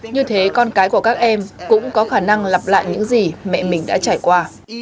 như thế con cái của các em cũng có khả năng lặp lại những gì mẹ mình đã trải qua